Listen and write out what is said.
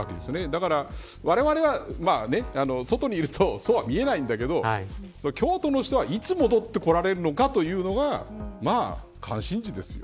だから、われわれが外にいると、そうは見えないんだけど京都の人はいつ戻ってこられるのかというのが関心事ですよ。